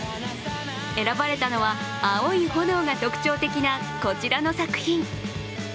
選ばれたのは、青い炎が特徴的なこちらの作品。